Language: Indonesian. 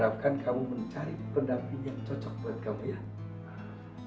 cari pendamping yang cocok buat kamu ya